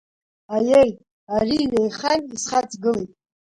Аиеи, ари ҩеихан исхаҵгылеит.